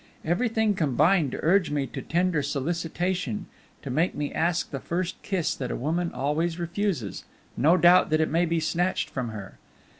Everything combined to urge me to tender solicitation, to make me ask the first kiss that a woman always refuses, no doubt that it may be snatched from her.